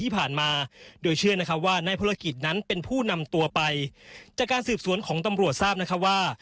ผู้นำตัวไปจากการสืบสวนของตำรวจทราบนะครับว่า